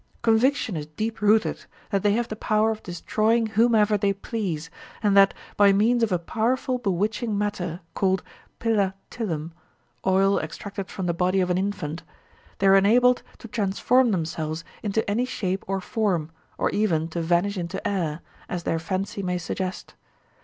Conviction is deep rooted that they have the power of destroying whomever they please, and that, by means of a powerful bewitching matter called pilla thilum (oil extracted from the body of an infant), they are enabled to transform themselves into any shape or form, or even to vanish into air, as their fancy may suggest.